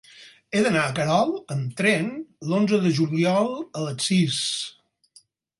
He d'anar a Querol amb tren l'onze de juliol a les sis.